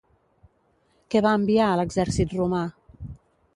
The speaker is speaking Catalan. Què va enviar a l'exèrcit romà?